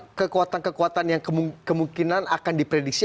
apa kekuatan kekuatan yang kemungkinan akan diprediksi